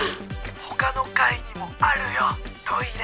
他の階にもあるよトイレ。